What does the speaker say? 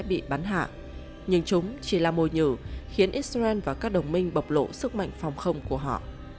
bị bắn hạ nhưng chúng chỉ là mồi nhử khiến israel và các đồng minh bộc lộ sức mạnh phòng không của họ